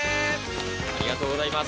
ありがとうございます。